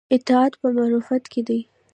اطاعت په معروف کې دی